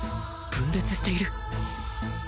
分裂している？